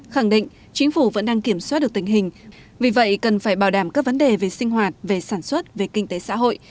khẳng định chính phủ vẫn đang kiểm soát được tình hình vì vậy cần phải bảo đảm các vấn đề về sinh hoạt về sản xuất về kinh tế xã hội